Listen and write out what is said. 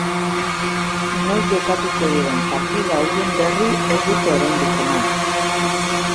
Noiz jokatuko diren partida horien berri ez dute oraindik eman.